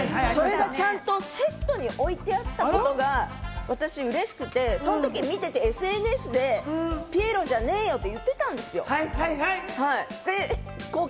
ちゃんとセットに置いてあったことが私うれしくて、見ていて、ＳＮＳでピエロじゃねえよ！って言ってたんですよ。